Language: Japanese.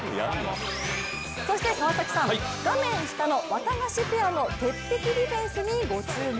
そして川崎さん、画面下のわたがしペアの鉄壁ディフェンスにご注目。